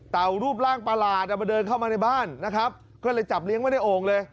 รูปร่างประหลาดมาเดินเข้ามาในบ้านนะครับก็เลยจับเลี้ยงไว้ในโอ่งเลย